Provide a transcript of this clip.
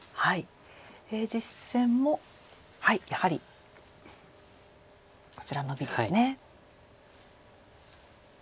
実戦もやはりこちらノビですね。